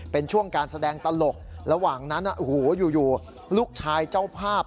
เป็นช่วงการแสดงตลกระหว่างนั้นอยู่ลูกชายเจ้าภาพ